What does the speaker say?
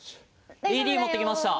ＡＥＤ持ってきました。